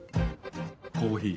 コーヒー。